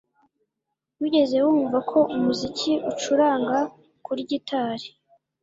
Wigeze wumva ko umuziki ucuranga kuri gitari